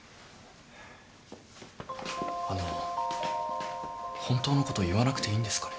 あの本当のこと言わなくていいんですかね？